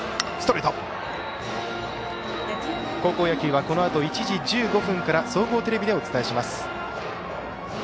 高校野球はこのあと１時１５分から総合テレビでお伝えします。